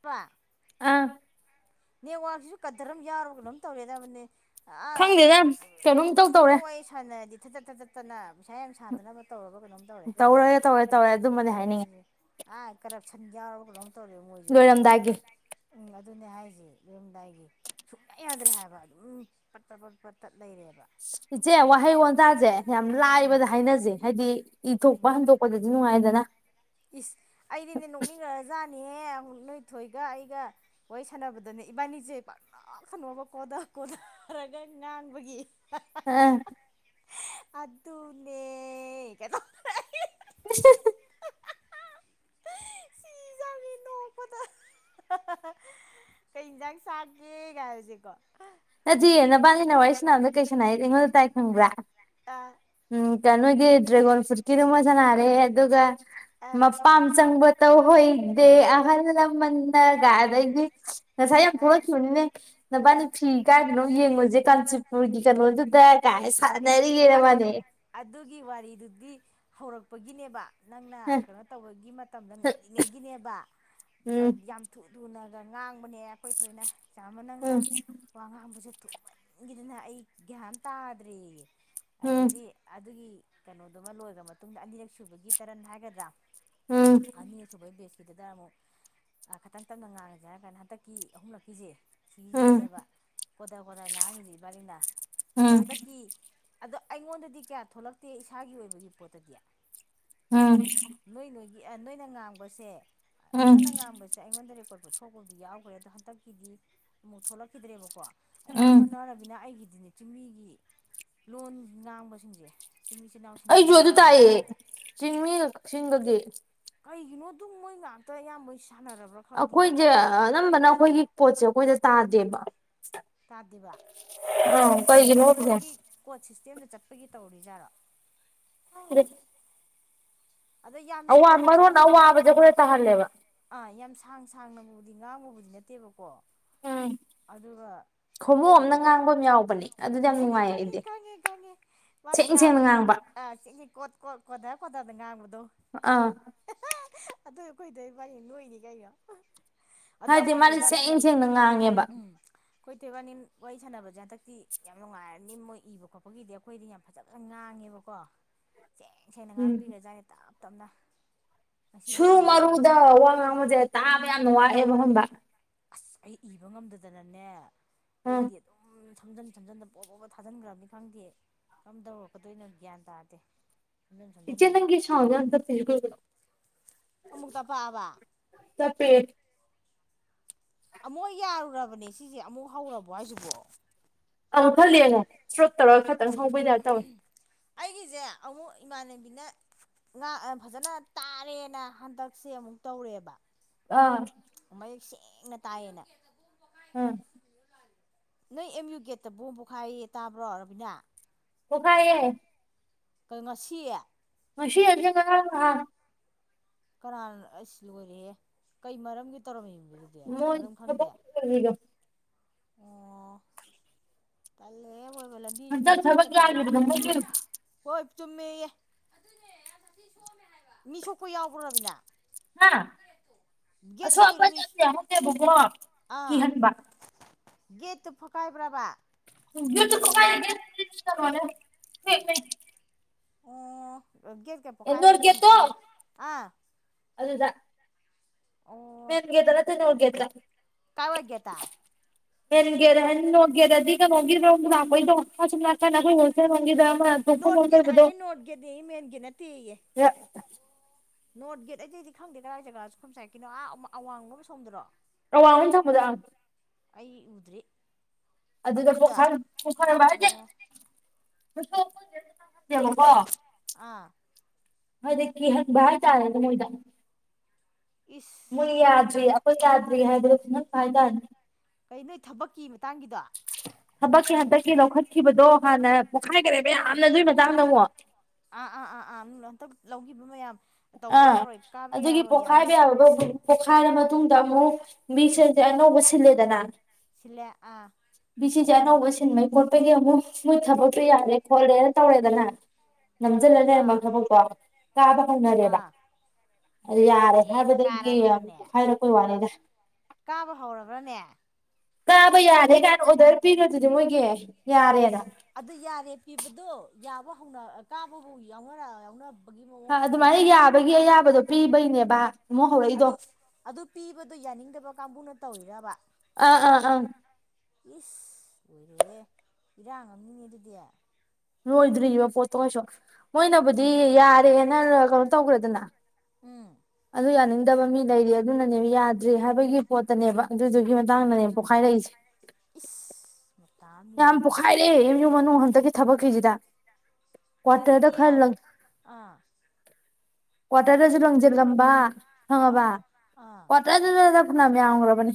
ꯄꯥ ꯑꯥ ꯅꯦꯠꯋꯥꯛꯁꯤꯖꯨ ꯀꯗꯔ ꯑꯝ ꯌꯥꯎꯔꯕ ꯀꯩꯅꯣꯝ ꯇꯧꯔꯦꯗꯕꯅꯦ ꯑ ꯈꯪꯗꯦꯗ ꯀꯩꯅꯣꯝ ꯏꯇꯧ ꯇꯧꯔꯦ ꯐꯣꯟꯍꯦꯛ ꯋꯥꯔꯤ ꯁꯥꯟꯅꯔꯗꯤ ꯊꯠꯗꯠ ꯊꯠꯗꯠ ꯇꯅ ꯄꯩꯁꯥ ꯌꯥꯝ ꯁꯥꯗꯅꯕ ꯇꯧꯔꯕ ꯀꯩꯅꯣꯝ ꯇꯧꯔꯦ ꯇꯧꯔꯦ ꯇꯧꯔꯦ ꯑꯗꯨꯃꯗꯤ ꯍꯥꯏꯅꯤꯡꯉꯤ ꯑ ꯀꯔꯞꯁꯟ ꯌꯥꯎꯔꯕ ꯀꯩꯅꯣꯝ ꯇꯧꯔꯦꯕ ꯃꯣꯏꯖꯨ ꯂꯣꯏꯔꯝꯗꯥꯏꯒꯤ ꯎꯝ ꯑꯗꯨꯅꯦ ꯍꯥꯏ ꯖꯦ ꯂꯣꯏꯔꯝꯗꯥꯏꯒꯤ ꯁꯨꯡꯌꯥ ꯌꯥꯗ꯭ꯔꯦ ꯍꯥꯏꯕ ꯑꯗꯨꯝ ꯄꯠ ꯄꯠ ꯄꯠ ꯄꯠ ꯇꯠ ꯂꯩꯔꯦꯕ ꯏꯆꯦ ꯋꯥꯍꯩ ꯋꯥꯟꯇꯥꯥꯖꯩ ꯌꯥꯝ ꯂꯥꯏꯕꯗ ꯍꯥꯏꯅꯖꯦ ꯍꯥꯏꯗꯤ ꯏꯊꯣꯛꯄ ꯍꯟꯗꯣꯛꯄꯗꯗꯤ ꯅꯨꯡꯉꯥꯏꯗꯅ ꯏꯁ ꯑꯩꯗꯤꯅꯦ ꯅꯣꯛꯅꯤꯡꯒꯔꯖꯥꯠꯅꯤꯍꯦꯛ ꯅꯣꯏ ꯊꯣꯏꯒ ꯑꯩꯒ ꯋꯥꯔꯤ ꯁꯥꯟꯅꯕꯗꯅꯦ ꯏꯕꯥꯅꯤꯖꯦ ꯄꯛꯅꯣꯛꯇ ꯅꯣꯛꯑꯕ ꯀꯣꯗ ꯀꯣꯗꯔꯒ ꯉꯥꯡꯕꯒꯤ ꯑꯥ ꯑꯗꯨꯅꯦ ꯀꯥꯏ ꯇꯧꯗꯅ [unintelligible] ꯁꯤꯖꯥꯅꯤ ꯅꯣꯛꯄꯗ ꯀꯩ ꯍꯤꯟꯖꯥꯡ ꯆꯥꯒꯦ ꯒꯥꯏꯁꯦꯀꯣ ꯅꯠꯇꯤꯌꯦ ꯅꯕꯥꯟꯅꯤꯅ ꯋꯥꯔꯤ ꯁꯥꯟꯅꯕꯗ ꯀꯩ ꯁꯥꯟꯅꯩꯌꯦ ꯑꯩꯉꯣꯟꯗ ꯇꯥꯏ ꯈꯪꯕ꯭ꯔꯥ [unintelligible] ꯎꯝ ꯀꯥ ꯅꯣꯏꯒꯤ ꯗ꯭ꯔꯦꯒꯣꯟ ꯐ꯭ꯔꯨꯠꯀꯤꯗꯨꯃ ꯁꯥꯟꯅꯔꯦ ꯑꯗꯨꯒ ꯑ ꯃꯄꯥꯝ ꯆꯪꯕ ꯇꯧꯍꯣꯏꯗꯦ ꯑꯍꯟ ꯂꯥꯃꯟꯅ ꯒꯥꯏ ꯑꯗꯩꯗꯤ ꯉꯁꯥꯏ ꯌꯥꯝ ꯑ ꯊꯣꯛꯂꯛꯈꯤꯕꯅꯤꯅꯦ ꯅꯕꯥꯟꯅꯤ ꯑ ꯏꯀꯥꯏꯗꯅꯣꯝ ꯌꯦꯡꯉꯨꯖꯦ ꯀꯥꯟꯆꯤꯄꯨꯔꯒꯤ ꯀꯩꯅꯣꯗꯨꯗ ꯀꯥꯏ ꯑꯦ ꯁꯥꯟꯅꯔꯤꯌꯦꯅ ꯑꯠ ꯅꯕꯥꯟꯅꯤ ꯑꯗꯨꯒꯤ ꯋꯥꯔꯤꯗꯨꯗꯤ ꯍꯧꯔꯛꯄꯒꯤꯅꯦꯕ ꯅꯪꯅ ꯀꯩꯅꯣ ꯇꯧꯕꯒꯤ ꯃꯇꯝꯗ ꯉꯜꯂꯤꯉꯩꯒꯤꯅꯦꯕ ꯎꯝ ꯑꯠ ꯌꯥꯝ ꯊꯨ ꯊꯨꯅꯒ ꯉꯥꯡꯕꯅꯦ ꯑꯈꯣꯏ ꯊꯣꯏꯅ ꯏꯆꯥꯝꯃ ꯅꯪꯅ ꯑꯩꯁꯨ ꯋꯥ ꯉꯥꯡꯕꯖꯦ ꯊꯨꯃꯟꯒꯤꯗꯅ ꯑꯩ ꯒ꯭ꯌꯥꯟ ꯑꯝ ꯇꯥꯗ꯭ꯔꯦꯌꯦ ꯑꯗꯩꯗꯤ ꯑꯗꯨꯒꯤ ꯀꯩꯅꯣꯗꯨꯃ ꯂꯣꯏꯒ꯭ꯔ ꯃꯇꯨꯡꯗ ꯑꯅꯤꯔꯛ ꯁꯨꯕꯒꯤ ꯇꯔꯟ ꯍꯥꯏꯒꯗ꯭ꯔꯥ ꯎꯝ ꯑꯅꯤꯔꯛ ꯁꯨꯕꯩ ꯕꯦꯁꯀꯤꯗꯨꯗ ꯑꯃꯨꯛ ꯑ ꯈꯥꯇꯪ ꯇꯞꯅ ꯉꯥꯡꯉꯖꯦ ꯍꯥꯏꯔ ꯀꯥꯟꯗ ꯍꯟꯗꯛꯀꯤ ꯑꯍꯨꯝꯂꯛꯀꯤꯖꯦ ꯁꯤꯒꯤꯖꯤꯅꯦꯕ ꯀꯣꯗ ꯀꯣꯗ ꯉꯥꯡꯉꯖꯦ ꯏꯕꯥꯅꯤꯅ ꯑꯗꯣ ꯍꯟꯗꯛ ꯀꯤ ꯑꯗꯣ ꯑꯩꯉꯣꯟꯗꯗꯤ ꯀꯌꯥ ꯊꯣꯛꯂꯛꯇꯦ ꯏꯁꯥꯒꯤ ꯑꯣꯏꯕ ꯔꯤꯄꯣꯔꯠꯇꯗꯤ ꯎꯝ ꯅꯣꯏ ꯅꯣꯏꯒꯤ ꯑ ꯅꯣꯏꯅ ꯉꯥꯡꯕꯁꯦ ꯅꯪꯅ ꯉꯥꯡꯕ ꯁꯦ ꯑꯩꯉꯣꯟꯗ ꯔꯦꯀꯣꯔꯠꯄꯨ ꯊꯣꯛꯄꯕꯨꯗꯤ ꯌꯥꯎꯒ꯭ꯔꯦ ꯑꯗꯣ ꯍꯟꯇꯛꯀꯤꯗꯤ ꯑꯃꯨꯛ ꯊꯣꯛꯂꯛꯈꯤꯗ꯭ꯔꯦꯕꯀꯣ ꯑꯌꯥꯝꯕꯅ ꯔꯕꯤꯅ ꯑꯩꯒꯤꯗꯤꯅꯦ ꯆꯤꯡꯃꯤꯒꯤ ꯂꯣꯟ ꯉꯥꯡꯕꯁꯤꯡꯁꯦ ꯆꯤꯡꯃꯤ ꯏꯆꯤꯜ ꯏꯅꯥꯎ ꯑꯩꯁꯨ ꯑꯗꯨ ꯇꯥꯏꯑ ꯆꯤꯡꯃꯤꯒ ꯀꯛꯆꯤꯡꯗꯒꯤ ꯀꯩꯒꯤꯅꯣ ꯑꯗꯨꯝ ꯃꯣꯏ ꯉꯥꯛꯇ ꯑꯌꯥꯝꯕꯩ ꯁꯥꯟꯅꯔꯕ꯭ꯔꯥ ꯈꯪꯗꯦꯌꯦ ꯑꯩꯈꯣꯏꯁꯦ ꯑꯅꯝꯕꯅ ꯑꯩꯈꯣꯏꯒꯤ ꯀꯣꯠꯁꯦ ꯑꯩꯈꯣꯏꯗ ꯇꯥꯗꯦꯕ ꯇꯥꯗꯦꯕ [unintelligible] ꯑꯗꯩ ꯃꯣꯏꯒꯤ ꯀꯣꯠ ꯁꯤꯁꯇꯦꯝꯗ ꯆꯠꯄꯒꯤ ꯇꯧꯔꯤꯖꯥꯠꯔꯣ [unintelligible] ꯑꯗꯣ ꯌꯥꯝ ꯑꯋꯥ ꯁꯥꯡ ꯃꯔꯣꯟ ꯁꯥꯡ ꯅꯪ ꯑꯋꯥꯕꯁꯦ ꯑꯩꯈꯣꯏꯗ ꯇꯥꯍꯜꯂꯦꯕ ꯑꯥ ꯌꯥꯝ ꯁꯥꯡ ꯁꯥꯡꯅꯕꯨꯗꯤ ꯉꯥꯡꯕꯕꯨꯗꯤ ꯅꯠꯇꯦꯕꯀꯣ ꯑꯗꯨꯒ ꯈꯣꯡꯃꯨ ꯀꯩꯅꯣ ꯑꯃꯅ ꯉꯥꯡꯕ ꯌꯥꯎꯕꯅꯦ ꯑꯗꯨ ꯈꯪꯉꯦ ꯈꯪꯉꯦ ꯈꯪꯉꯦ ꯈꯪꯉꯦ ꯃꯥꯅ ꯁꯦꯡ ꯁꯦꯡꯅ ꯉꯥꯡꯕ ꯑ ꯆꯤꯟꯖꯦ ꯀꯣꯠ ꯀꯣꯠ ꯀꯣꯗ ꯀꯣꯗꯅ ꯉꯥꯡꯕꯗꯣ ꯑꯥ ꯑꯗꯨ ꯑꯩꯈꯣꯏꯗꯣꯏ ꯏꯕꯥꯅꯤꯅ ꯅꯣꯛꯏꯅꯤ ꯀꯩꯅꯣ ꯑꯗꯣ ꯍꯥꯏꯗꯤ ꯑꯩꯈꯣꯏ ꯃꯥꯗꯤ ꯊꯣꯏꯕꯥꯅꯤꯅ ꯁꯦꯡ ꯁꯦꯡꯅ ꯉꯥꯡꯉꯦꯕ ꯑꯩꯈꯣꯏ ꯊꯣꯏꯕꯥꯅꯤꯅ ꯋꯥꯔꯤ ꯁꯥꯟꯅꯕꯁꯦ ꯍꯟꯗꯛꯇꯤ ꯌꯥꯝ ꯅꯨꯡꯉꯥꯏꯔꯅꯤ ꯃꯣꯏ ꯏꯕ ꯈꯣꯠꯄꯒꯤꯗꯤ ꯑꯩꯈꯣꯏꯗꯤ ꯌꯥꯝ ꯐꯖꯅ ꯉꯥꯡꯉꯦꯕꯀꯣ ꯁꯦꯡ ꯁꯦꯡꯅ ꯉꯥꯡꯕꯤꯔꯖꯥꯅꯦ ꯇꯞ ꯇꯞꯅ ꯉꯁꯤꯕꯨ ꯁꯨꯔꯨ ꯊꯨꯔꯕꯅꯦ ꯃꯔꯨꯗ ꯋꯥ ꯉꯥꯡꯕꯁꯦ ꯇꯥꯕ ꯌꯥꯝꯅ ꯋꯥꯑꯦꯕ ꯍꯕ ꯑꯁ ꯑꯩ ꯏꯕ ꯉꯝꯗꯗꯅꯅꯦ ꯑꯩꯗꯤ ꯑꯗꯨꯝ ꯁꯝꯖꯟ ꯁꯝꯖꯟꯗ ꯄꯣꯛ ꯄꯣꯛꯒ ꯊꯥꯖꯤꯟꯈ꯭ꯔꯕꯅꯤ ꯈꯪꯗꯦ ꯀꯔꯝ ꯇꯧꯔꯛꯀꯗꯣꯏꯅꯣ ꯒ꯭ꯌꯥꯟ ꯇꯥꯗꯦ ꯁꯝꯖꯟ ꯏꯆꯦ ꯁꯝꯖꯟꯗꯅ ꯅꯪꯒꯤ ꯁꯥꯎꯟꯁꯦ ꯌꯥꯝ ꯇꯞꯄꯤꯁꯦ ꯀꯩꯒꯤꯅꯣ ꯑꯃꯨꯛ ꯇꯞꯄꯛꯑꯕ ꯇꯞꯄꯦ ꯑꯃꯨꯛ ꯌꯥꯔꯨꯔꯕꯅꯦ ꯁꯤꯁꯦ ꯑꯃꯨꯛ ꯍꯧꯔꯕꯣ ꯍꯥꯏꯁꯤꯕꯣ ꯑꯪ ꯈꯔ ꯂꯦꯡꯉꯨ ꯁ꯭ꯔꯣꯛ ꯇꯧꯔꯒ ꯈꯤꯇꯪ ꯍꯪꯕꯩ ꯇꯥꯏꯞ ꯇꯧꯋꯦ ꯑꯩꯒꯤꯖꯦ ꯑꯃꯨꯛ ꯏꯃꯥꯟꯅꯕꯤꯅ ꯉ ꯐꯖꯅ ꯇꯥꯔꯦꯅ ꯍꯟꯗꯛꯁꯦ ꯑꯃꯨꯛ ꯇꯧꯔꯦꯕ ꯑꯥ ꯃꯌꯦꯛ ꯁꯦꯡꯅ ꯇꯥꯏꯌꯦꯅ ꯎꯝ ꯅꯣꯏ ꯑꯦꯝ ꯌꯨ ꯒꯦꯠꯇ ꯕꯣꯝ ꯄꯣꯛꯈꯥꯏꯌꯦ ꯇꯥꯕ꯭ꯔꯣ ꯔꯕꯤꯅꯥ ꯄꯣꯈꯥꯏꯌꯦ ꯀꯩꯅ ꯉꯁꯤ ꯉꯁꯤ ꯅꯠꯇꯦ ꯉꯔꯥꯡ ꯉꯍꯥꯟ ꯀꯅꯥꯅ ꯑꯩꯁ ꯂꯣꯏꯔꯦꯍꯦ ꯀꯩ ꯃꯔꯝꯒꯤ ꯇꯧꯔꯝꯃꯤꯕ ꯃꯣꯏ ꯃꯔꯝ ꯈꯪꯗꯦ ꯊꯕꯛ ꯄꯅꯤꯒꯣ ꯑꯣ ꯇꯜꯂꯦꯍꯦꯕꯣ ꯂꯝꯕꯤꯁꯤꯗ ꯍꯟꯗꯛ ꯊꯕꯛ ꯆꯠꯀꯗꯧꯕ ꯌꯥꯒꯤꯕꯗꯣ ꯀꯤꯔꯦ ꯃꯣꯏꯒꯤ ꯍꯣꯏ ꯆꯨꯝꯃꯦꯌꯦ ꯑꯗꯨꯅꯦ ꯌꯥꯝ ꯁꯥꯊꯤꯅ ꯁꯣꯛꯑꯃꯦ ꯍꯥꯏꯕ ꯃꯤ ꯁꯣꯛꯄ ꯌꯥꯎꯕ꯭ꯔꯣ ꯔ꯭ꯕꯤꯅꯥ ꯍꯥ ꯑꯁꯣꯛ ꯑꯄ ꯁꯣꯏꯔꯣ ꯃꯤ ꯑꯝ ꯌꯥꯍꯧꯗꯦꯕꯀꯣ ꯑꯥ ꯀꯤꯍꯟꯕ ꯒꯦꯠꯇꯨ ꯐꯛꯀꯥꯏꯕ꯭ꯔꯥꯕ ꯒꯦꯠꯇꯨ ꯐꯛꯀꯥꯏꯗꯦ [unintelligible] ꯐꯦꯛꯅꯦ ꯑꯣ ꯒꯦꯠꯀ ꯑꯦ ꯅꯣꯔ ꯄꯣꯛꯈꯥꯏꯕꯒꯤ ꯌꯥꯝ ꯒꯦꯠꯇꯣ ꯎꯠꯂꯦ ꯑꯥ ꯑꯗꯨꯗ ꯑꯣ ꯃꯦꯟ ꯒꯦꯠ ꯇꯥ ꯅꯠꯇꯦ ꯅꯣꯔꯊ ꯒꯦꯠ ꯇꯥ꯫ ꯀꯥꯏꯋꯥꯏ ꯒꯦꯠꯇ ꯃꯦꯟꯒꯦꯠ ꯅꯣꯡꯒꯦꯠ ꯍꯥꯏꯗꯤ ꯅꯣꯠ ꯒꯣꯠ ꯀꯩꯅꯣꯒꯤꯔꯣꯝ ꯂꯥꯛꯄꯩꯗꯣ ꯁꯨꯝ ꯂꯥꯛꯀꯥꯟ ꯑꯩꯈꯣꯏ ꯍꯣꯜꯁꯦꯜ ꯔꯣꯝꯒꯤꯗ ꯑꯃ ꯊꯣꯡꯐꯝ ꯑꯃ ꯅꯣꯠꯒꯦꯗ ꯂꯩꯕꯗꯣ ꯍꯥꯏꯌꯦ ꯅꯣꯠꯒꯗꯤ ꯃꯦꯟꯒꯤꯅ ꯅꯠꯇꯦꯌꯦ꯫ ꯌꯥ ꯅꯣꯔꯠ ꯒꯦꯠ ꯑꯩꯇꯩ ꯑꯩꯗꯤ ꯈꯪꯗꯦ ꯀꯗꯥꯥꯏ ꯖꯒꯥꯥꯁꯨ ꯍꯣꯝꯆꯥꯏ ꯀꯅꯣ ꯑ ꯑꯋꯥꯡꯕꯣꯅ ꯁꯣꯝꯗꯔꯣ꯫ ꯑꯋꯥꯡꯂꯣꯝ ꯊꯪꯕꯗ ꯑꯪ꯫ ꯑꯩ ꯎꯗ꯭ꯔꯤ ꯑꯗꯨꯗ ꯄ ꯑꯗꯣꯝꯗ ꯄꯈꯕ ꯍꯥꯏꯁꯦ ꯑꯣ [unintelligible] ꯑꯥ ꯍꯥꯏꯗꯤ ꯀꯤꯍꯟꯕ ꯍꯥꯏꯇꯥꯔꯦꯅꯦ ꯃꯣꯏꯗ ꯃꯣꯏ ꯏꯁ ꯌꯥꯗ꯭ꯔꯦ ꯂꯣꯏꯔꯦ ꯑꯩꯈꯣꯏ ꯌꯥꯗ ꯔꯤ ꯍꯥꯏꯗꯣ ꯈꯪꯍꯟꯕ ꯍꯥꯏꯇꯔꯦ ꯀꯩ ꯅꯣꯏ ꯊꯕꯛꯀꯤ ꯃꯇꯥꯡꯒꯤꯗꯣ? ꯊꯕꯛꯀꯤ ꯍꯟꯗꯛꯀꯤ ꯂꯧꯈꯠꯈꯤꯕꯗꯣ ꯍꯥꯟꯅ ꯄꯣꯛꯈꯥꯏꯈꯔꯦꯕ ꯌꯥꯝꯅ ꯑꯗꯨꯏ ꯃꯇꯥꯡꯗ ꯑꯃꯨꯛ ꯑꯥ ꯑꯥ ꯑꯥ ꯑꯥ ꯎꯝ ꯍꯟꯇꯛ ꯂꯧꯈꯤꯕ ꯃꯌꯥꯝ ꯇꯧꯕ ꯑꯥ ꯌꯥꯔꯣꯏ ꯀꯥꯕ ꯑꯗꯨꯒꯤ ꯌꯥꯔꯣꯏ ꯌꯥꯅꯤ ꯄꯣꯛꯈꯥꯏꯕ ꯌꯥꯕ ꯄꯣꯛꯈꯥꯏꯔ ꯃꯇꯨꯡꯗ ꯑꯃꯨꯛ ꯃꯤꯁꯦꯡꯁꯦ ꯑꯅꯧꯕ ꯑꯃꯨꯛ ꯁꯤꯜꯂꯦꯗꯅ ꯁꯤꯜꯂꯦ ꯑꯥ ꯕꯤ ꯁꯤꯁꯦ ꯑꯅꯧꯕ ꯁꯤꯟꯕꯒꯤ ꯈꯣꯠꯄꯒꯤ ꯑꯃꯨꯛ ꯃꯣꯏ ꯊꯕꯛꯇꯨ ꯌꯥꯗ꯭ꯔꯦ ꯈꯣꯠꯂꯦꯅ ꯇꯧꯔꯦꯗꯅ꯫ [unintelligible] ꯅꯝꯁꯤꯜꯂ ꯂꯩꯔꯝꯕ ꯑꯥ ꯊꯕꯛꯇꯣ ꯀꯥꯕ ꯈꯅꯔꯦꯕ ꯑꯥ ꯌꯥꯔꯦ ꯑꯦ ꯍꯥꯏꯕꯗꯒꯤ ꯑꯃꯨꯛ ꯀꯥꯔꯕ꯭ꯔꯅꯦ ꯍꯥꯏꯔꯛꯄꯩ ꯋꯥꯅꯤꯗ꯫ ꯀꯥꯕ ꯍꯧꯔꯕ꯭ꯔꯅꯦ꯫ ꯀꯥꯕ ꯌꯥꯔꯦ ꯀꯥꯏꯅ ꯑꯣꯔꯗꯔ ꯄꯤꯈꯔꯗꯨꯗꯤ ꯃꯣꯏꯒꯤ ꯌꯥꯔꯦꯅ꯫ ꯑꯗꯨ ꯌꯥꯔꯦ ꯄꯤꯕꯗꯣ ꯌꯥꯕ ꯍꯧꯅ ꯀꯥꯕꯕꯨ ꯌꯥꯎꯅꯔ ꯌꯥꯎꯅꯔ ꯑꯗꯨꯃꯥꯏꯅ ꯌꯥꯕꯒꯤ ꯑꯌꯥꯕꯗꯣ ꯄꯤꯕꯩꯅꯦꯕ꯫ ꯑꯃꯨꯛ ꯍꯧꯔꯛꯏꯗꯣ ꯑꯗꯨ ꯑꯗꯨ ꯄꯤꯕꯗꯣ ꯌꯥꯅꯤꯡꯗꯕ ꯀꯥꯡꯕꯨꯅ ꯇꯧꯔꯤꯔꯕ꯫ ꯑꯥ ꯑꯥ ꯑꯥ ꯏꯁ ꯑꯣꯏꯔꯦꯍꯦ ꯏꯤꯔꯥꯡ ꯑꯃꯅꯤꯡꯅꯦ ꯑꯗꯨꯗꯤ꯫ ꯂꯣꯏꯗ꯭ꯔꯤꯕꯔꯤꯕ ꯄꯣꯠꯇꯣ ꯀꯩꯁꯨ ꯃꯣꯏꯅꯕꯨꯗꯤ ꯌꯥꯔꯦꯅ ꯀꯩꯅꯣ ꯇꯧꯈ꯭ꯔꯦꯗꯅ꯫ ꯎꯝ ꯑꯗꯨ ꯌꯥꯅꯤꯡꯗꯕ ꯃꯤ ꯂꯩꯔꯤ ꯑꯗꯨꯅꯅꯦꯕ ꯌꯥꯗ꯭ꯔꯦ ꯍꯥꯏꯕꯒꯤ ꯄꯣꯠꯇꯅꯦꯕ꯫ ꯑꯗꯨꯗꯨꯒꯤ ꯃꯇꯥꯡꯗꯅꯦ ꯄꯣꯛꯈꯥꯏꯔꯛꯏꯁꯦ꯫ ꯏꯁ ꯑꯃꯅꯤꯅꯦ ꯌꯥꯝ ꯑꯗꯨꯗꯤ ꯄꯣꯈꯥꯏꯔꯦ ꯑꯦꯝ ꯌꯨꯝ ꯃꯅꯨꯡ ꯍꯟꯇꯛꯀꯤ ꯊꯕꯛꯀꯤꯁꯤꯗ꯫ ꯑꯗꯨꯗꯤ ꯀ꯭ꯋꯥꯇꯔꯗ ꯃꯤ ꯈꯔꯂꯪ ꯑꯥ ꯀ꯭ꯋꯥꯇꯗꯁꯨ ꯑꯁꯣ ꯂꯪꯁꯤꯜꯂꯝꯕ ꯑꯥ ꯈꯪꯉꯕꯔ ꯑꯥ ꯀ꯭ꯋꯥꯇꯔꯗꯨꯗ ꯐꯅ ꯌꯥꯝ ꯌꯥꯝꯈ꯭ꯔꯕꯅꯤ꯫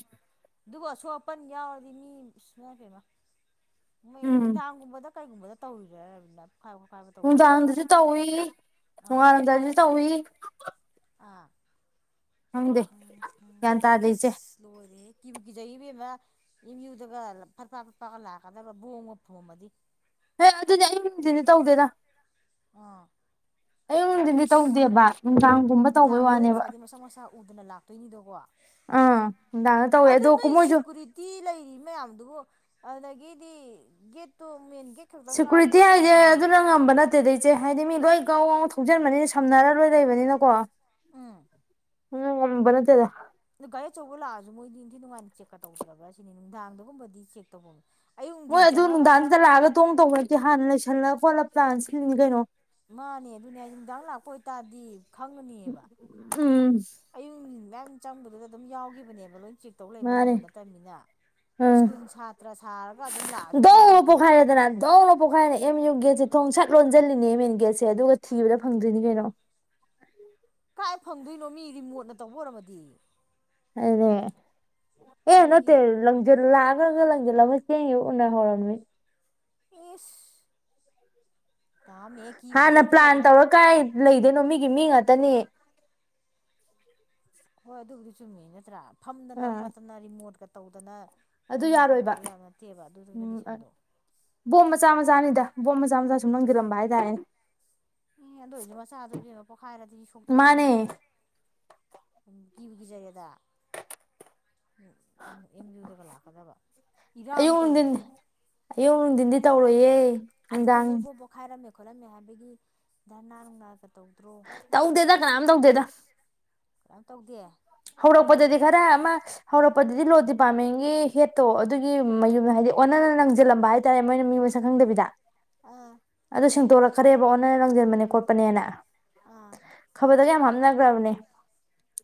ꯑꯗꯨꯕꯨ ꯑꯁꯣꯛ ꯑꯄꯟ ꯌꯥꯎꯔꯗꯤ ꯏꯃꯥ ꯄꯦꯝꯃꯥ꯫ ꯃꯣꯏ ꯎꯝ ꯅꯨꯡꯗꯥꯡꯒꯨꯝꯕꯗ ꯀꯩꯒꯨꯝꯕꯗ ꯇꯧꯔꯤꯔ ꯅ ꯄꯣꯈꯥꯏ ꯈꯣꯠꯀꯥꯏꯕꯗꯣ꯫ ꯅꯨꯡꯗꯥꯡꯗꯁꯨ ꯇꯧꯏ ꯑꯥ ꯅꯣꯡꯉꯜꯂꯝꯗꯥꯏꯁꯨ ꯇꯧꯏ꯫ ꯑꯥ ꯈꯪꯗꯦ ꯎꯝ ꯎꯝ ꯒ꯭ꯌꯥꯟ ꯇꯥꯗꯦ ꯏꯆꯦ ꯏꯁ ꯂꯣꯏꯔꯦ ꯀꯤꯕꯨ ꯀꯤꯖ ꯏꯕꯦꯝꯃꯥ꯫ ꯑꯦꯝ ꯌꯨꯗꯒ ꯐꯠꯐꯥ ꯐꯠꯐꯥ ꯂꯥꯛꯀꯗꯕ ꯕꯣꯝꯒ ꯐꯣꯡꯃꯝꯃꯗꯤ ꯍꯦ ꯑꯗꯨꯗꯤ ꯑꯌꯨꯛ ꯅꯨꯟꯗꯤꯜꯗꯗꯤ ꯇꯧꯗꯦꯗ꯫ ꯑꯥ ꯑꯌꯨꯛ ꯅꯨꯡꯊꯤꯟꯗꯤ ꯑꯦꯁ ꯇꯧꯗꯦꯕ ꯅꯨꯡꯗꯥꯡꯒꯨꯝꯕ ꯇꯧꯕꯩ ꯅꯨꯡꯗꯥꯡꯗꯨꯗ ꯋꯥꯅꯦꯕ ꯉꯁꯥꯏꯗꯤ ꯃꯁꯥꯛ ꯃꯁꯥ ꯎꯗꯅ ꯂꯥꯛꯇꯣꯏꯅꯦꯗꯣꯀꯣ꯫ ꯑꯥ ꯅꯨꯡꯗꯥꯡꯗ ꯇꯧꯋꯦ ꯑꯗꯨ ꯑꯗꯣ ꯅꯣꯏ ꯃꯣꯏꯁꯨ ꯁꯦꯀꯨꯔꯤ ꯇꯤ ꯂꯩꯔꯤ ꯃꯌꯥꯝꯗꯨꯒꯣ ꯑꯗꯨꯗꯒꯤꯗꯤ ꯒꯦꯠꯇꯣ ꯃꯦꯟ ꯒꯦꯠ ꯈꯛꯇꯪ ꯁꯦꯀꯨꯔꯤꯇꯤ ꯉꯥꯛꯄ꯭ꯔꯣ ꯍꯥꯏꯁ ꯁꯥꯏꯠꯇꯨꯗꯤ ꯑꯗꯨꯅ ꯉꯝꯕ ꯅꯠꯇꯦ ꯅꯠꯇꯦꯗꯩꯆꯦ ꯍꯥꯏꯗꯤ ꯃꯤ ꯂꯣꯏ ꯒꯥꯎ ꯒꯥꯎ ꯊꯧꯖꯤꯟꯕꯅꯤꯅ ꯁꯝꯅꯔ ꯂꯣꯏ ꯂꯩꯕꯅꯤꯅꯀꯣ ꯎꯝ ꯉꯝꯕ ꯅꯥꯇꯦꯗꯥ ꯑ ꯒꯥꯔꯤ ꯑꯆꯧꯕ ꯂꯥꯛꯑꯁꯨ ꯃꯣꯏꯗꯤ ꯅꯤꯡꯊꯤ ꯅꯨꯡꯉꯥꯏꯅ ꯆꯦꯛꯀ ꯇꯧꯗ꯭ꯔꯥ ꯁꯤꯅꯤ ꯅꯨꯡꯗꯥꯡꯗꯒꯨꯝꯕꯗꯤ ꯆꯦꯛ ꯇꯧꯕꯅꯤ ꯃꯣꯏ ꯑꯗꯨ ꯅꯨꯡꯗꯥꯡꯗ ꯂꯥꯛꯑꯒ ꯇꯣꯡ ꯇꯧ ꯅꯠꯇꯦ ꯍꯥꯟꯅ ꯂꯩꯁꯜꯂ ꯈꯣꯠꯂ ꯄ꯭ꯂꯥꯟ ꯁꯤꯟꯂꯤꯅꯤ ꯀꯩꯅꯣ ꯃꯥꯅꯦ ꯑꯗꯨꯅꯦ ꯍꯥꯏꯁꯦ ꯅꯨꯡꯗꯥꯡ ꯂꯥꯛꯄ ꯑꯣꯏꯇꯥꯔꯗꯤ ꯈꯪꯉꯅꯤꯕ ꯎꯝ ꯑꯌꯨꯛ ꯃꯌꯥꯝ ꯆꯪꯕꯗꯨꯗ ꯑꯗꯨꯝ ꯌꯥꯎꯒꯤꯅꯦꯕ ꯂꯣꯏ ꯆꯦꯛ ꯇꯧ ꯂꯩꯕ ꯃꯥꯅꯦ ꯉꯝꯕ ꯅꯠꯇꯕꯅꯤꯅ ꯑꯥ ꯁ꯭ꯀꯨꯜ ꯁꯥꯇ꯭ꯔ ꯁꯥꯔꯒ ꯑꯗꯨꯝ ꯂꯥꯛꯑꯁꯨ ꯗꯧꯅ ꯈꯪꯄꯣꯠꯇꯦ ꯄꯣꯛꯈꯥꯏꯔꯦꯗꯅ ꯗꯧꯅ ꯄꯣꯛꯈꯥꯏꯔꯦ ꯑꯦꯝ ꯌꯨ ꯒꯦꯠꯁꯦ ꯊꯣꯡ ꯁꯠ ꯂꯣꯟꯁꯤꯜꯂꯤꯅꯦ ꯑꯦꯝ ꯑꯦ ꯒꯦꯠꯁꯦ ꯑꯗꯨꯒ ꯊꯤꯕꯗ ꯐꯪꯗ꯭ꯔꯤꯅꯤ ꯀꯩꯅꯣ ꯀꯥꯏ ꯐꯪꯗꯣꯏꯅꯣ ꯃꯤ ꯔꯤꯃꯣꯠꯅ ꯇꯧꯕ ꯑꯣꯏꯔꯝꯃꯗꯤ ꯑꯗꯨꯗꯦ ꯑꯦ ꯅꯣꯏꯒꯤ ꯅꯠꯇꯦ ꯅꯪ ꯂꯥꯛꯑꯒꯂꯒ ꯂꯥꯪꯖꯤꯟꯂꯃꯒꯥ ꯆꯦꯟꯒꯤꯕꯥ ꯎꯅꯍꯧꯔꯝꯅꯤ ꯏꯁ ꯇꯝ [unintelligible] ꯍꯥꯟꯅ ꯄ꯭ꯂꯥꯟ ꯇꯧꯔ ꯀꯥꯏ ꯂꯩꯗꯣꯏꯅꯣ ꯃꯤꯒꯤ ꯃꯤ ꯉꯥꯛꯇꯅꯤ ꯍꯣꯏ ꯑꯗꯨꯕꯨꯗꯤ ꯆꯨꯝꯃꯤ ꯅꯠꯇ꯭ꯔꯥ ꯐꯝꯗꯅ ꯑꯥ ꯈꯣꯠꯇꯅ ꯔꯤꯃꯣꯠꯀ ꯇꯧꯗꯅ ꯑꯗꯨ ꯅꯝꯅ ꯈꯣꯠꯇ ꯌꯥꯔꯣꯏꯕ ꯇꯧꯕ ꯌꯥꯕ ꯅꯠꯇꯦꯕ ꯑꯗꯨꯗꯨ ꯎꯝ ꯀꯟꯗꯤꯁꯟꯗꯣ ꯕꯣꯝ ꯃꯆꯥ ꯃꯆꯥꯅꯤꯗ ꯕꯣꯝ ꯃꯆꯥ ꯃꯆꯥ ꯁꯨꯝ ꯅꯪꯁꯤꯜꯔꯝꯕ ꯍꯥꯏꯇꯥꯔꯦꯅꯦ ꯑꯦ ꯑꯗꯣ ꯍꯧꯖꯤꯛ ꯃꯆꯥꯗꯨꯗꯤ ꯄꯣꯛꯈꯥꯏꯔꯗꯤ ꯃꯥꯅꯦ ꯁꯣꯛꯇꯣꯔꯤꯅꯤꯅꯦ ꯀꯤꯕꯨ ꯀꯤꯖꯔꯦꯗꯥ ꯑꯦꯝ ꯌꯨꯗꯒ ꯂꯥꯛꯀꯗꯕ ꯏꯔꯥꯡ ꯑꯌꯨꯛ ꯅꯨꯡꯊꯤꯟ ꯇꯧꯕꯗꯣ ꯑꯌꯨꯛ ꯅꯨꯡꯊꯤꯟꯗꯤ ꯇꯧꯔꯣꯏꯌꯦ ꯅꯨꯡꯗꯥꯡ ꯄꯣ ꯈꯥꯏꯔꯝ ꯈꯣꯠꯂꯝꯃꯦ ꯍꯥꯏꯕꯒꯤ ꯙꯔꯅꯥ ꯅꯣꯡꯅꯒ ꯇꯧꯗ꯭ꯔꯣ ꯇꯧꯗ ꯀꯅꯥꯝ ꯇꯧꯗꯦꯗꯥ ꯀꯩꯅꯝ ꯇꯧꯗꯦ ꯍꯧꯔꯛꯄꯗꯗꯤ ꯈꯔ ꯑꯃ ꯍꯧꯔꯛꯄꯗꯗꯤ ꯂꯣ ꯗꯤꯄꯥꯔꯠꯃꯦꯟꯒꯤ ꯍꯦꯠꯇꯣ ꯑꯗꯨꯒꯤ ꯑꯥ ꯃꯌꯨꯝꯗ ꯍꯥꯏꯗꯤ ꯑꯣꯟꯅ ꯂꯪꯁꯤꯜꯂꯝꯕ ꯍꯥꯏꯇꯥꯔꯦ ꯃꯣꯏꯅ ꯃꯤ ꯃꯁꯛ ꯈꯪꯗꯕꯤꯗ ꯑꯥ ꯑꯗꯨꯣ ꯁꯦꯡꯗꯣꯔꯛ ꯈꯔꯦꯕ ꯑꯣꯟꯅ ꯂꯪꯁꯤꯟꯕꯅꯦ ꯈꯣꯠꯄꯅꯦꯅ ꯑꯥ ꯈꯕꯔꯗꯒ ꯌꯥꯝ ꯍꯥꯞꯅꯈ꯭ꯔꯕꯅꯦ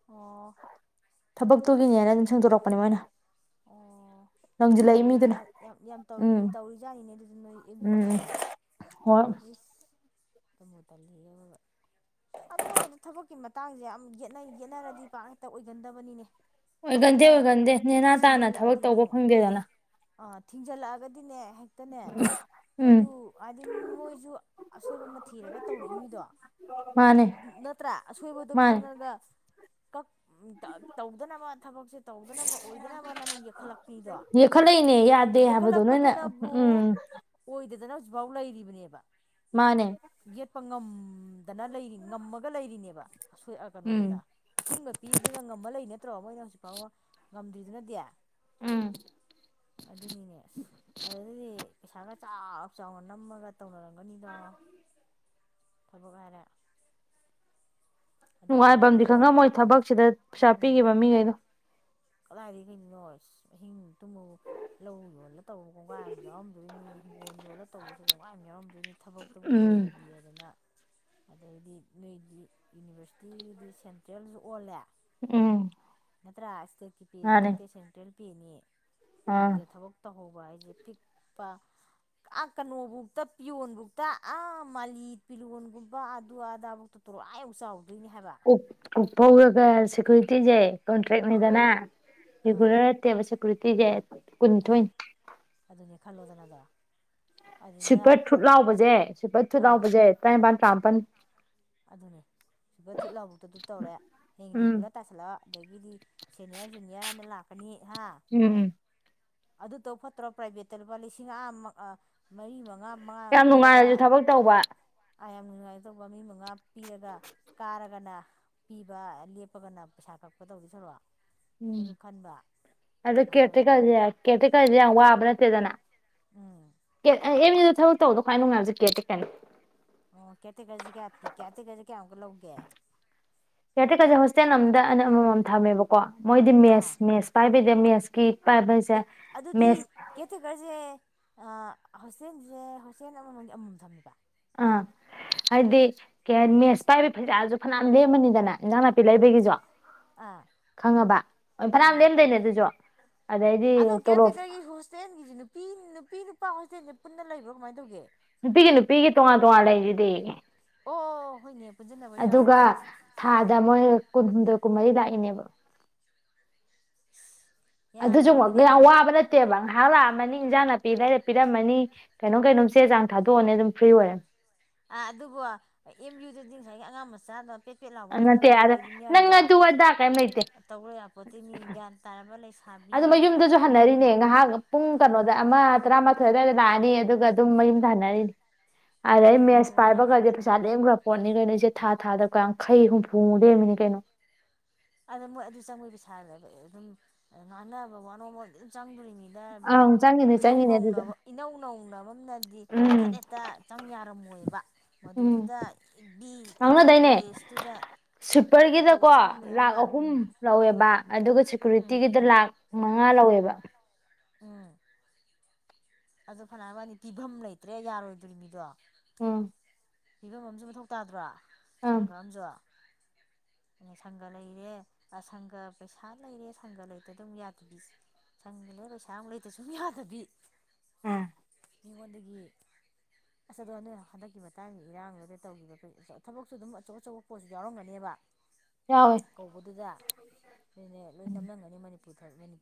ꯑꯣ ꯏꯁ ꯊꯕꯛꯇꯨꯒꯤꯅꯦꯅ ꯑꯗꯨꯝ ꯁꯦꯡꯗꯣꯔꯛꯄꯅꯦ ꯃꯣꯏꯅ ꯑꯣ ꯌꯥꯝ ꯂꯪꯁꯤꯜꯂꯛꯏ ꯇꯧꯔꯤ ꯃꯤꯗꯨꯅ ꯌꯥꯝ ꯌꯥꯝ ꯇꯧꯔꯤꯅꯤ ꯎꯝ ꯇꯧꯔꯤꯖꯥꯠꯅꯤꯅꯦ ꯑꯗꯨꯗ ꯅꯣꯏ ꯑꯦꯝ ꯎꯝ ꯌꯌꯨꯗꯨꯁꯨ ꯍꯣꯏ ꯏꯁ ꯇꯟꯕꯨ ꯇꯟꯂꯤꯍꯦ ꯑꯑꯣꯏꯕꯥ ꯑꯗꯨꯒ ꯀꯗ ꯊꯕꯛꯀꯤ ꯃꯇꯥꯡꯁꯦ ꯌꯥꯝ ꯌꯦ ꯌꯦꯠꯅꯔꯗꯤ ꯄꯥꯛ ꯍꯦꯛꯇ ꯑꯣꯏꯒꯟꯗꯕꯅꯤꯅꯦ ꯑꯣꯏꯒꯟꯗꯦ ꯑꯃꯅ ꯑꯣꯏꯒꯟꯗꯦ ꯅꯦꯅꯥ ꯇꯥꯅ ꯊꯕꯛ ꯇꯧꯕ ꯊꯤꯡꯖꯤꯜꯂꯛꯑꯗꯤꯅꯦ ꯐꯪꯗꯦꯗꯅ ꯑꯥ ꯊꯤꯡꯖꯜꯂꯛꯑꯒꯗꯤꯅꯦ ꯛꯇꯅꯦ ꯎꯝ ꯃꯗꯨ ꯍꯥꯏꯗꯤ ꯃꯣꯏꯁꯨ ꯑꯁꯣꯏꯕ ꯑꯃ ꯊꯤꯔꯒ ꯇꯧꯔꯛ ꯏꯃꯤꯗꯣ ꯃꯥꯅꯦ ꯅꯠꯇ꯭ꯔꯥ ꯑꯁꯣꯏꯕꯗ ꯃꯥꯅꯦ ꯈꯪꯉꯒ ꯀꯛ ꯇꯧꯗꯅꯕ ꯊꯕꯛꯁꯦ ꯇꯧꯗꯅꯕ ꯑꯣꯏꯗꯅꯕ ꯑꯃꯥ ꯌꯦꯛꯈꯠꯂꯛꯅꯤꯗꯣ ꯀꯅꯦ ꯌꯥꯗꯦ ꯍꯥꯏꯕꯗꯣ ꯅꯣꯏꯅ ꯎꯝ ꯎꯝ ꯑꯣꯏꯗꯗꯅ ꯍꯧꯖꯤꯛꯐꯥꯎ ꯂꯩꯔꯤꯕꯅꯦꯕ ꯃꯥꯅꯦ ꯌꯦꯠꯄ ꯉꯝꯗꯅ ꯂꯩꯔꯤ ꯉꯝꯃꯒ ꯂꯩꯔꯤꯅꯦꯕ ꯑꯁꯣꯏ ꯑꯥ ꯎꯝ ꯀꯩꯅꯣꯗꯨꯅ ꯑꯊꯤꯡꯕ ꯄꯤꯕꯗꯨꯅ ꯉꯝꯃꯥ ꯂꯩ ꯅꯠꯇ꯭ꯔꯣ ꯃꯣꯏꯅ ꯍꯧꯖꯤꯛꯐꯥꯎꯕ ꯉꯝꯗ꯭ꯔꯤꯗꯨꯅꯗꯤ ꯎꯝ ꯑꯗꯨꯅꯤꯅꯦ ꯑꯁ ꯑꯗꯨꯗꯤ ꯄꯩꯁꯥꯒ ꯆꯥꯎ ꯆꯥꯎꯅ ꯅꯝꯃꯒ ꯇꯧꯅꯔꯝꯒꯅꯤꯗꯣ ꯊꯕꯛ ꯍꯥꯏꯔꯦ ꯑꯗꯨ ꯅꯨꯡꯉꯥꯏꯕꯝꯗꯤ ꯇꯧꯔꯝꯕꯁꯨ ꯈꯪꯉꯝꯃꯣꯏ ꯊꯕꯛꯁꯤꯗ ꯄꯩꯁꯥ ꯎꯝ ꯄꯤꯈꯤꯕ ꯃꯤꯈꯩꯗꯣ ꯀꯗꯥꯏꯗꯒꯤ ꯀꯩꯅꯣ ꯑꯁꯤ ꯑꯍꯤꯡ ꯇꯨꯝꯃꯎ [unintelligible] ꯂꯧ ꯌꯣꯜꯂ ꯇꯧꯕ ꯀꯣꯡꯒꯥꯏ ꯑꯃꯥ ꯌꯥꯎꯔꯝꯗꯣꯏꯅꯤ ꯍꯤꯡꯒꯣꯜ ꯌꯣꯜꯂ ꯇꯧꯕꯁꯨ ꯀꯣꯡꯒꯥꯏ ꯑꯃꯥ ꯌꯥꯎꯔꯝꯗꯣꯏꯅꯤ ꯊꯕꯛ ꯇꯨꯕꯨ ꯎꯝ ꯑꯣꯏꯔꯗꯤ ꯗꯤꯅ ꯑꯗꯩꯗꯤ ꯅꯣꯏꯗꯤ ꯌꯨꯅꯤꯚꯔꯁꯤꯇꯤꯒꯤꯗꯤ ꯁꯦꯟꯇ꯭ꯔꯦꯜꯁꯨ ꯑꯣꯜꯂꯦ ꯎꯝ ꯅꯠꯇ꯭ꯔꯥ ꯏꯁꯇꯦꯠꯀꯤ ꯄ‌ꯦꯁꯨ ꯃꯥꯅꯦ ꯅꯠꯇꯦ ꯁꯦꯟꯇ꯭ꯔꯦꯜ ꯄ‌ꯦꯅꯤ ꯑꯥ ꯑꯗꯨꯗ ꯊꯕꯛ ꯇꯧꯍꯧꯕ ꯍꯥꯏꯁꯦ ꯄꯤꯛꯄ ꯑꯥ ꯀꯩꯅꯣꯕꯨꯛꯇꯥ ꯄꯤꯌꯣꯟꯕꯧꯇ ꯑꯥ ꯃꯥꯂꯤ ꯄꯤꯔꯣꯟꯒꯨꯝꯕ ꯑꯗꯨ ꯑꯗꯥꯕꯨꯛꯇꯥ ꯇꯏꯂꫭꯞ ꯑꯥ ꯌꯧꯅꯥ ꯆꯥꯎꯥꯗꯣꯏꯅꯦ ꯍꯥꯏꯕ ꯎꯞ ꯐꯧꯔꯒ ꯁꯦꯀꯨꯔꯤꯇꯤꯁꯦ ꯑꯥ ꯀꯣꯟꯇ꯭ꯔꯦꯛꯅꯤꯗꯅ ꯑꯥ ꯔꯤꯒꯨꯂꯔ ꯇ‌ꯦꯕꯥ ꯁ‌ꯦꯀꫭꯔꯤꯇ‌ꯦꯁ‌ꯦ ꯑꯥ ꯑꯗꯨꯅꯦ ꯈꯜꯂꯣꯗꯅ ꯑꯗꯣ ꯑꯗꯨꯗ ꯁꯨꯏꯄꯔ ꯊ꯭ꯔꯨꯠ ꯂꯥꯎꯕꯁꯦ ꯁꯨꯏꯄꯔ ꯊ꯭ꯔꯨꯠ ꯑꯥ ꯂꯥꯎꯕꯁꯦ ꯇꯔꯥꯅꯤꯄꯜ ꯇꯔꯥꯃꯥꯄꯜ ꯑꯗꯨꯅꯦ ꯁꯨꯏꯄꯔ ꯊꯨꯠ ꯂꯥꯎꯕꯕꯨꯛꯇ ꯑꯗꯨ ꯇꯧꯔꯦ ꯍꯌ‌ꯦꯡ ꯎꯝ ꯔꯤꯒꯨꯂꯔ ꯇꯥ ꯁꯜꯂꯣ ꯑꯗꯒꯤꯗꯤ ꯁꯦꯅꯤꯌꯔ ꯖꯨꯅꯤꯌꯔ ꯍꯥꯏꯅ ꯂꯥꯛꯀꯅꯤ ꯍꯥ ꯎꯝ ꯑꯗꯨ ꯇꯧ ꯐꯠꯇ꯭ꯔꯣ ꯄ꯭ꯔꯥꯏꯚꯦꯠꯇ ꯂꯨꯄꯥ ꯂꯨꯄꯥ ꯂꯤꯁꯤꯡ ꯑꯥ ꯑꯥ ꯃꯔꯤ ꯃꯉꯥ ꯃꯉꯥ ꯌꯥꯝ ꯄꯤꯔꯒ ꯅꯨꯡꯉꯥꯏꯅꯖꯨ ꯊꯕꯛ ꯇꯧꯕ ꯑꯥ ꯌꯥꯝ ꯅꯨꯡꯉꯥꯏꯗꯧꯕ ꯃꯤ ꯃꯪꯉꯥ ꯄꯤꯔꯒ ꯀꯥꯔꯒꯅ ꯄꯤꯕ ꯂꯦꯞꯄꯒꯅ ꯄꯩꯁꯥ ꯀꯛꯄ ꯇꯧꯗ ꯁꯔꯨꯛ ꯑꯗꯨ ꯈꯟꯕ꯭ꯔꯥ ꯑꯗꯨ ꯀꯦꯔꯇꯦꯀꯔꯁꯦꯀꯦꯔꯇꯦꯀꯁ‌ꯦ ꯌꯥꯝ ꯋꯥꯕ ꯅꯠꯇꯦꯗꯅ ꯎꯝ ꯑꯦꯝ ꯌꯨꯗ ꯊꯕꯛ ꯇꯧꯕꯗꯥ ꯈꯋꯥꯏ ꯅꯨꯪꯉꯥꯏꯕꯥꯁꯤ ꯀꯦꯔꯇꯦꯀꯔ ꯅꯤ ꯑꯣ ꯀꯦꯔꯇꯦꯀꯔꯁꯤ ꯀꯌꯥ ꯀꯦꯔꯇꯦꯀꯔꯁꯤ ꯀꯌꯥꯃꯨꯛꯀ ꯂꯧꯒꯦ ꯀꯦꯔꯇꯦꯀꯔꯁꯦ ꯍꯣꯁꯇꯦꯜ ꯑꯃꯝꯗ ꯑꯩꯅ ꯑꯃꯃꯝ ꯊꯝꯃꯦꯕꯀꯣ ꯃꯣꯏꯗꯤ ꯑꯥ ꯃꯦꯠꯁ ꯃꯦꯠꯁ ꯄꯥꯏꯕꯩꯗ ꯃꯦꯠꯁꯀꯤ ꯑꯦ ꯑꯗꯨꯗꯤ ꯀꯦꯔꯇꯦꯀꯔꯁꯦ ꯑꯥ ꯍꯣꯁꯇꯦꯜꯁꯦ ꯍꯣꯁꯇꯦꯜ ꯑꯃꯃ ꯑꯃꯃꯝ ꯊꯝꯃꯦꯕ ꯑꯥ ꯍꯥꯏꯗꯤ ꯀꯩ ꯍꯥꯏꯅꯤ ꯃꯦꯁ ꯄꯥꯏꯕ ꯐꯩꯖꯥꯜꯁꯨ ꯐꯅꯌꯥꯝ ꯂꯦꯝꯃꯅꯤꯗꯅ ꯏꯟꯖꯥꯡ ꯅꯥꯄꯤ ꯂꯩꯕꯒꯤꯁꯨ ꯑꯥ ꯈꯪꯉꯕ ꯑꯗꯨꯝ ꯐꯅꯌꯥꯝ ꯑꯥ ꯂꯦꯝꯗꯣꯏꯅꯦ ꯑꯗꯨꯁꯨ ꯑꯗꯩꯗꯤ ꯑꯗꯣ ꯇꯣꯂꯣꯞ ꯀꯦꯌꯔꯇꯦꯀꯔꯒꯤ ꯈꯔꫭꯁ ꯍꯣꯁꯇꯦꯜꯒꯤꯁꯦ ꯅꯨꯄꯤ ꯅꯨꯄꯤ ꯅꯨꯄꯥ ꯍꯣꯁꯇꯦꯜꯁꯦ ꯄꯨꯟꯅ ꯂꯩꯕ꯭ꯔꯣ ꯀꯃꯥꯏꯅ ꯇꯧꯒꯦ ꯅꯨꯄꯤꯒꯤ ꯅꯨꯄꯤꯒꯤ ꯇꯣꯉꯥꯟ ꯇꯣꯉꯥꯟ ꯂꯩꯔꯤꯗꯨꯗꯤ ꯑꯣ ꯍꯣꯏꯅ‌ꯦ ꯑꯗꯨꯒ ꯊꯥꯗ ꯃꯣꯏ ꯀꯨꯟꯍꯨꯝꯗꯣꯏ ꯀꯨꯟꯃꯔꯤ ꯂꯥꯛꯏꯅꯦꯕ ꯌꯥꯏ ꯑꯗꯨꯁꯨꯃꯛ ꯄꯣꯠꯅꯤꯅꯦ ꯌꯥꯝ ꯉꯥ ꯋꯥꯕ ꯅꯠ ꯅꯠꯇꯦꯕ ꯉꯥꯏꯍꯥꯛꯂꯥꯛꯑꯝꯃꯅꯤ ꯏꯟꯖꯥꯡ ꯅꯥꯄꯤ ꯂꯩꯥꯏꯔ ꯄꯤꯔꯝꯃꯅꯤ ꯀꯩꯅꯣꯝ ꯀꯩꯅꯣꯝ ꯆꯦ ꯆꯥꯡ ꯊꯥꯗꯣꯛꯑꯅꯤ ꯑꯗꯨꯝ ꯐ꯭ꯔꯤ ꯑꯣꯏꯔꯦ ꯑꯥ ꯑꯗꯨꯕꯨ ꯑꯦꯝ ꯌꯨꯗꯨꯗꯤ ꯉꯁꯥꯏꯒꯤ ꯑꯉꯥꯡ ꯃꯆꯥꯗꯣ ꯐꯦꯠꯄꯦꯠ ꯂꯥꯎꯕꯝꯇ ꯅꯠꯇꯦ ꯅꯠꯇꯦꯗꯣ ꯑꯗ ꯂꯩꯔꯤ ꯅꯪ ꯃꯌꯥꯝꯗꯣ ꯑꯗꯨ ꯑꯗꯥ ꯀꯩꯝ ꯂꯩꯇꯦ ꯇꯧꯔꯣꯏꯔꯄꯣꯠꯇꯣꯏꯅꯤ ꯒ꯭ꯌꯥꯟ ꯇꯥꯔꯝꯕ ꯂꯩꯁꯥ ꯑꯗꯨ ꯃꯌꯨꯝꯗꯁꯨ ꯍꯟꯅꯔꯤꯅꯦ ꯉꯥꯏꯍꯥꯛ ꯄꯨꯡ ꯀꯩꯅꯣꯗ ꯑꯃ ꯇꯔꯥꯃ ꯐꯗꯅ ꯂꯥꯛꯑꯅꯤ ꯑꯗꯨꯒ ꯑꯗꯨꯝ ꯃꯌꯨꯝ ꯍꯟꯅꯔꯤꯅꯤ ꯑꯗꯩ ꯑꯗꯨꯅꯤ ꯃꯦꯁ ꯍꯅꯨ ꯍꯅꯥ ꯄꯥꯏꯕꯒꯗꯤ ꯆꯥ ꯂꯦꯝꯈ꯭ꯔꯥ ꯄꯣꯠꯅꯤ ꯀꯩꯅꯣꯁꯦ ꯊꯥ ꯊꯥꯗ ꯌꯥꯡꯈꯩ ꯍꯨꯝꯐꯨ ꯃꯨꯛ ꯂꯦꯝꯃꯤꯅꯤ ꯀꯩꯅꯣ ꯑꯗ ꯃꯣꯏ ꯑꯗꯨ ꯆꯪꯉꯣꯏ ꯄꯩꯁꯥꯗꯕ ꯑꯗꯨꯝ ꯉꯥꯟꯅꯕ ꯋꯥꯅꯣꯝꯃ ꯑꯗꯨꯝ ꯆꯪꯗꯣꯔꯤꯅꯤ ꯑꯗꯨꯅꯤꯅ ꯑꯪ ꯆꯪꯉꯤꯅꯦ ꯏꯅꯧ ꯆꯪꯉꯤꯅꯦ ꯑꯗꯨꯗ ꯅꯧꯅꯕ ꯏꯅꯧ ꯅꯧꯅꯕꯝꯅꯗꯤ ꯐꯠ ꯎꯝ ꯇ ꯆꯪ ꯌꯥꯔꯝꯃꯣꯏꯕ ꯎꯝ ꯃꯗꯨꯗꯨꯗ ꯒꯤ ꯉꯥꯡꯅꯗꯣꯏꯅꯦ ꯀꯣꯂꯦꯖꯇꯨꯗ ꯑꯆꯧ ꯁ꯭ꯋꯤꯞꯄꯔꯒꯤꯗꯀꯣ ꯑꯁꯥꯡ ꯃꯌꯥꯝ ꯂꯥꯛ ꯑꯃ ꯑꯍꯨꯝ ꯎꯝ ꯂꯧꯋꯦꯕ ꯑꯗꯨꯒ ꯎꯝ ꯁꯦꯀꯨꯔꯤꯇꯤꯒꯤꯗ ꯂꯥꯛ ꯃꯉꯥ ꯂꯧꯋꯦꯕ꯫ ꯎꯝ ꯑꯗꯨ ꯐꯅꯕꯅꯤ ꯄꯤꯐꯝ ꯂꯩꯇ꯭ꯔꯦ ꯌꯥꯔꯣꯏꯗꯣꯔꯤ ꯃꯤꯗꯣ ꯎꯝ ꯐꯤꯕꯝ ꯑꯃꯥꯁꯨ ꯃꯊꯧ ꯇꯥꯗ꯭ꯔꯣ ꯁꯟꯒ ꯑꯝꯁꯨ ꯁꯪꯒ ꯂꯩꯔꯦ ꯑ ꯁꯪꯒ ꯄꯩꯁꯥ ꯂꯩꯔꯦ ꯁꯪꯒ ꯂꯩꯇꯗ ꯑꯃꯨꯛ ꯌꯥꯗꯕꯤꯁꯦ ꯁꯪꯒ ꯂꯩꯔ ꯄꯩꯁꯥ ꯑꯃꯨꯛ ꯂꯩꯇꯁꯨ ꯌꯥꯗꯕꯤ ꯎꯝ [unintelligible] ꯃꯤꯉꯣꯟꯗꯒꯤ ꯑꯁ ꯑꯗꯣ ꯍꯟꯗ ꯍꯟꯗꯛꯀꯤ ꯃꯇꯥꯡꯒꯤ ꯏꯔꯥꯡꯗꯒ ꯇꯧꯈꯤꯕ ꯀꯩ ꯊꯕꯛꯁꯨ ꯑꯗꯨꯝ ꯑꯆꯧ ꯑꯆꯧꯕ ꯄꯣꯠꯁꯨ ꯌꯥꯎꯔꯝꯒꯅꯦꯕ [inaudible] ꯌꯧꯋꯦ ꯀꯧꯕꯗꯨꯗ ꯑꯩꯈꯣꯏꯅꯦ ꯂꯣꯏ ꯅꯝꯅꯝꯒꯅꯤ ꯃꯅꯤꯄꯨꯔ ꯈꯛꯅꯤ